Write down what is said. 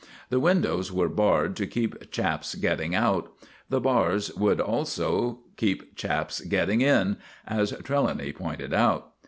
The windows were barred to keep chaps getting out. The bars would also keep chaps getting in, as Trelawny pointed out.